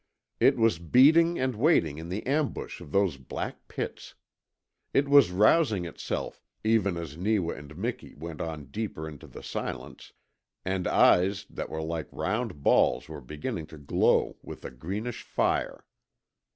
It was beating and waiting in the ambush of those black pits. It was rousing itself, even as Neewa and Miki went on deeper into the silence, and eyes that were like round balls were beginning to glow with a greenish fire.